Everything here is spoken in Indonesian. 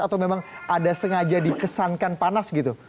atau memang ada sengaja dikesankan panas gitu